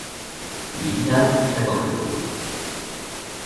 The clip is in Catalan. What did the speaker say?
Vivia a Chapel Hill.